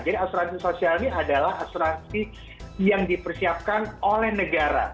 jadi asuransi sosial ini adalah asuransi yang dipersiapkan oleh negara